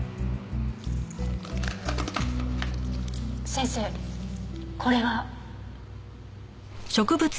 先生これは？